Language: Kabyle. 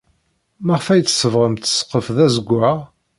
Maɣef ay tsebɣemt ssqef d azewwaɣ?